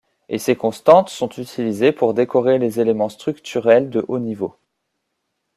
Et ces constantes sont utilisées pour décorer les éléments structurels de haut niveau.